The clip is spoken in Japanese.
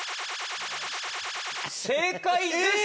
正解です！